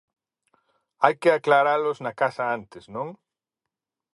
Hai que aclaralos na casa antes, ¿non?